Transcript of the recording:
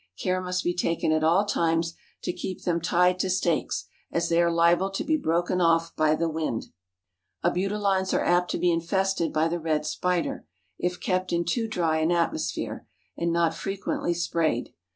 Care must be taken at all times to keep them tied to stakes, as they are liable to be broken off by the wind." Abutilons are apt to be infested by the red spider, if kept in too dry an atmosphere, and not frequently sprayed.